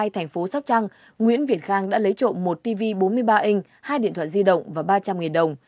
thành phố sóc trăng nguyễn việt khang đã lấy trộm một tv bốn mươi ba in hai điện thoại di động và ba trăm linh đồng